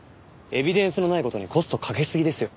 エビデンスのない事にコストかけすぎですよ。